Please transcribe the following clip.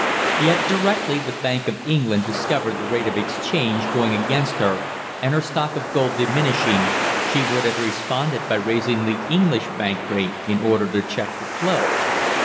Yet directly the Bank of England discovered the rate of exchange going against her, and her stock of gold diminishing, she would have responded by raising the English bank rate in order to check the flow.